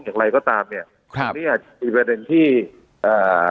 อย่างไรก็ตามเนี้ยครับอันนี้อาจจะเป็นประเด็นที่เอ่อ